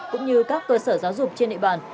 cũng như các cơ sở giáo dục trên địa bàn